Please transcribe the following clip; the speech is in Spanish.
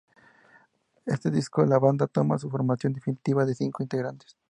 En este disco la banda toma su formación definitiva de cinco integrantes.